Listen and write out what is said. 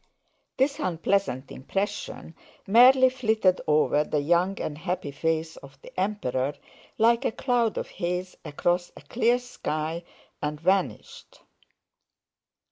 This unpleasant impression merely flitted over the young and happy face of the Emperor like a cloud of haze across a clear sky and vanished.